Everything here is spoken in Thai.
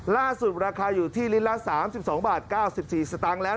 ราคาอยู่ที่ลิตรละ๓๒บาท๙๔สตางค์แล้ว